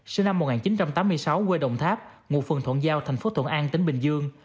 sinh năm một nghìn chín trăm tám mươi sáu quê đồng tháp nguồn phần thuận giao tp thuận an tp bình dương